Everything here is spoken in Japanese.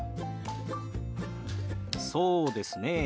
そうですねえ。